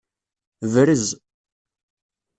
Brez.